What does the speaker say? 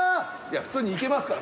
普通に行けますから。